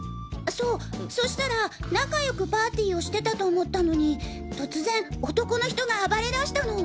そうそしたら仲良くパーティーをしてたと思ったのに突然男の人が暴れ出したの。